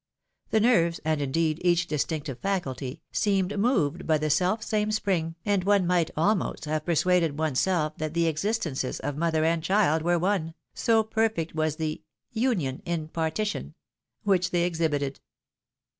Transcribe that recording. The nerves, and, indeed, each distinctive faculty, seemed moved by the self same spring ; and one might, almost, have persuaded one's self that the existences of mother and child were one, so perfect was the Union in partition which they exhibited.